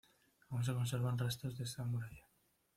Aún se conservan restos de esa muralla.